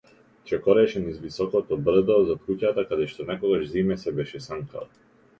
Чекореше низ високото брдо зад куќата, каде што некогаш зиме се беше санкала.